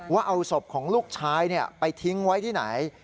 ว่าเอาศพของลูกชายไปทิ้งไว้ที่ไหน